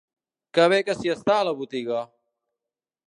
Que bé que s'hi està a la botiga!